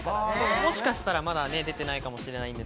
もしかしたらまだ出ていないかもしれません。